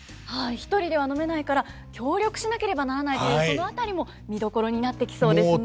１人では飲めないから協力しなければならないというその辺りも見どころになってきそうですね。